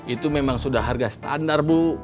itu memang sudah harga standar bu